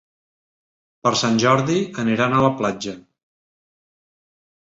Per Sant Jordi aniran a la platja.